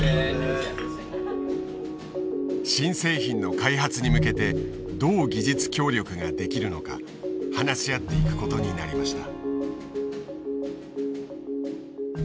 新製品の開発に向けてどう技術協力ができるのか話し合っていくことになりました。